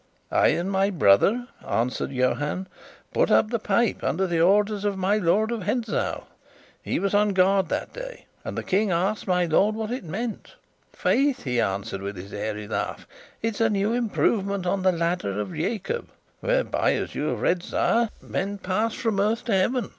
"I and my brother," answered Johann, "put up the pipe, under the orders of my Lord of Hentzau. He was on guard that day, and the King asked my lord what it meant. 'Faith,' he answered, with his airy laugh, 'it's a new improvement on the ladder of Jacob, whereby, as you have read, sire, men pass from the earth to heaven.